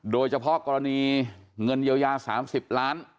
โดยเฉพาะกรณีเงินเยียวยา๓๐ล้าน